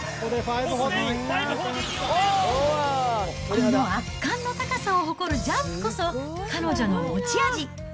この圧巻の高さを誇るジャンプこそ、彼女の持ち味。